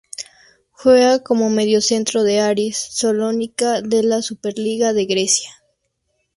Juega como mediocentro de Aris Salónica de la Superliga de Grecia.